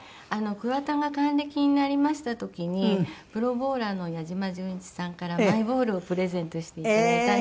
桑田が還暦になりました時にプロボウラーの矢島純一さんからマイボールをプレゼントして頂いたんですね。